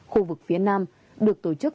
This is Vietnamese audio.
khu vực phía nam được tổ chức